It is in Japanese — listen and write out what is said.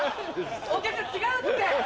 お客さん違うって！